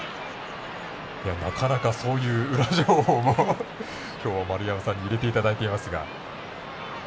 なかなか、そういう裏情報を丸山さんに入れていただいていますが。